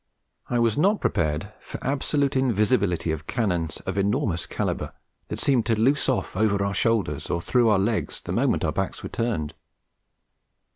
I was not prepared for absolutely invisible cannon of enormous calibre that seemed to loose off over our shoulders or through our legs the moment our backs were turned.